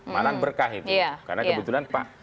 malahan berkah itu karena kebetulan pak